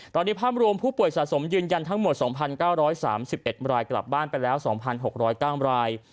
ตอนนี้ภาพรวมผู้ป่วยสะสมยืนยันทั้งหมด๒๙๓๑รายกลับบ้านไปแล้ว๒๖๐๙ราย